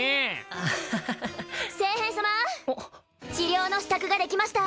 アハハハハハハ聖変様治療の支度ができました